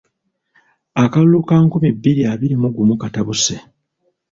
Akalulu ka nkumi bbiri abiri mu gumu katabuse.